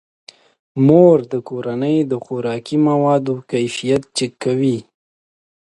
مور د کورنۍ د خوراکي موادو کیفیت چک کوي.